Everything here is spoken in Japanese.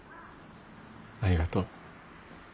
ありがとう。